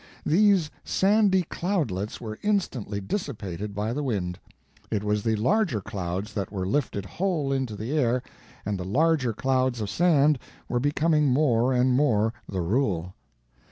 These sandy cloudlets were instantly dissipated by the wind; it was the larger clouds that were lifted whole into the air, and the larger clouds of sand were becoming more and more the rule.